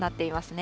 ね